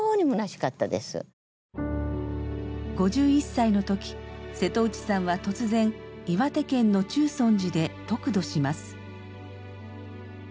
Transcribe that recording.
５１歳の時瀬戸内さんは突然岩手県の中尊寺で得度します。